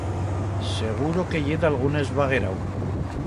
Seguro que ye d'algún esvaguerau.